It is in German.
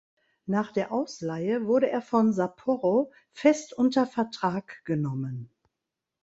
Nach der Ausleihe wurde er von Sapporo fest unter Vertrag genommen.